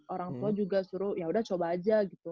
orang tua juga suruh ya udah coba aja gitu